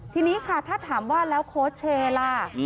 ทีนี้ค่ะถ้าถามว่าแล้วโค้ชเชย์ล่ะ